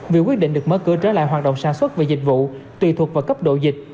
việc quyết định được mở cửa trở lại hoạt động sản xuất và dịch vụ tùy thuộc vào cấp độ dịch